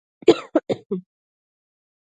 ایا زه باید لنګوټه ول تړم؟